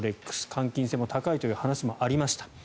換金性も高いという話もありました。